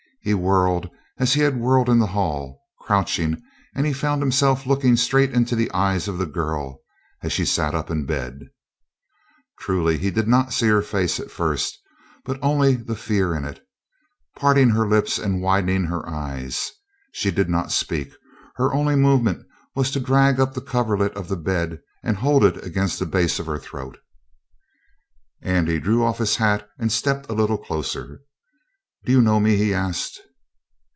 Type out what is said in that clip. He whirled as he had whirled in the hall, crouching, and he found himself looking straight into the eyes of the girl as she sat up in bed. Truly he did not see her face at first, but only the fear in it, parting her lips and widening her eyes. She did not speak; her only movement was to drag up the coverlet of the bed and hold it against the base of her throat. Andy drew off his hat and stepped a little closer. "Do you know me?" he asked.